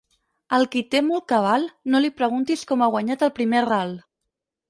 Al qui té molt cabal, no li preguntis com ha guanyat el primer ral.